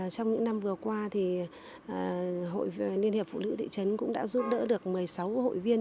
trong những năm vừa qua hội liên hiệp phụ nữ thị trấn cũng đã giúp đỡ được một mươi sáu hội viên